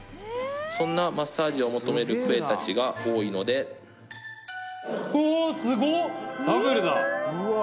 そんなマッサージを求めるクエたちが多いのでおおすごっ！